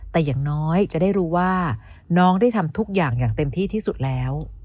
แต่อย่างน้อยจะได้รู้ว่าน้องได้ทำทุกอย่างอย่างเต็มที่ที่สุดแล้ว